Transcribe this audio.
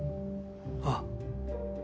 ああ。